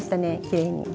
きれいに。